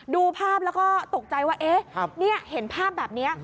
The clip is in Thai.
ดูภาพแล้วก็ตกใจว่าเห็นภาพแบบนี้